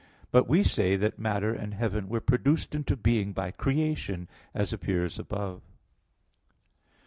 But we say that matter and heaven were produced into being by creation, as appears above (Q.